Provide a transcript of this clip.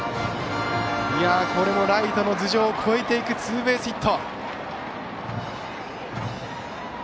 これもライトの頭上を越えていくツーベースヒット。